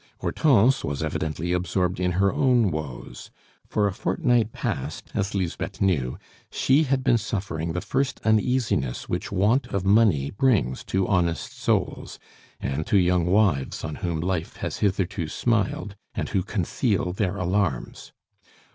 Hortense was evidently absorbed in her own woes; for a fortnight past, as Lisbeth knew, she had been suffering the first uneasiness which want of money brings to honest souls, and to young wives on whom life has hitherto smiled, and who conceal their alarms.